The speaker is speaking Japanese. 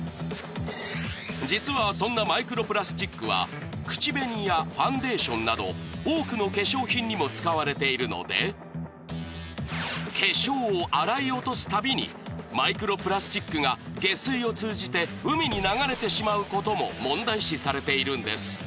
実はそんなマイクロプラスチックは口紅やファンデーションなど多くの化粧品にも使われているので化粧を洗い落とす度にマイクロプラスチックが下水を通じて海に流れてしまうことも問題視されているんです。